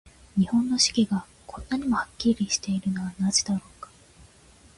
日本の四季が、こんなにもはっきりしているのはなぜだろうか。